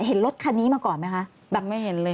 เห็นรถคันนี้มาก่อนไหมคะแบบไม่เห็นเลย